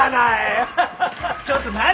ちょっと何よ！